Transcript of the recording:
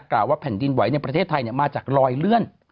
กล่าวว่าแผ่นดินไหวในประเทศไทยมาจากลอยเลื่อน